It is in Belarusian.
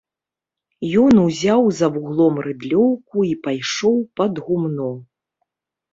Ён узяў за вуглом рыдлёўку і пайшоў пад гумно.